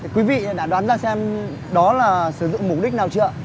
quý vị đã đoán ra xem đó là sử dụng mục đích nào chưa